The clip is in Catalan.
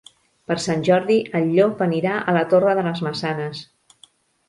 Per Sant Jordi en Llop anirà a la Torre de les Maçanes.